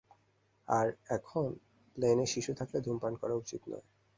আরে এখন, প্লেনে শিশু থাকলে ধূমপান করা উচিত নয়।